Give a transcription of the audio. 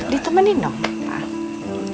ditemenin dong pak